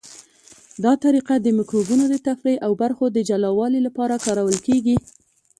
دا طریقه د مکروبونو د تفریق او برخو د جلاوالي لپاره کارول کیږي.